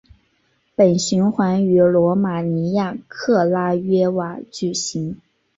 本循环于罗马尼亚克拉约瓦举行。